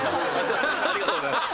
ありがとうございます。